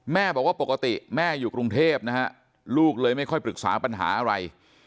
แม่บอกว่าปกติแม่อยู่กรุงเทพนะฮะลูกเลยไม่ค่อยปรึกษาปัญหาอะไร